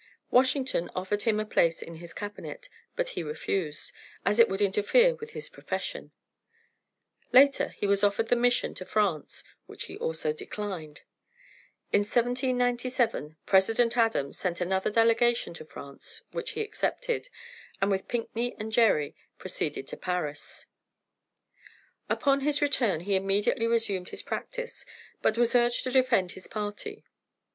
Washington offered him a place in his Cabinet, but he refused, as it would interfere with his profession; later he was offered the mission to France, which he also declined. In 1797 President Adams sent another delegation to France, which he accepted, and with Pickney and Gerry proceeded to Paris. Upon his return he immediately resumed his practice, but was urged to defend his party.